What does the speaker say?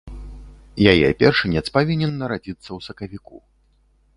Яе першынец павінен нарадзіцца ў сакавіку.